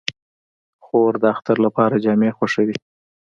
خور د اختر لپاره جامې خوښوي.